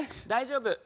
大丈夫。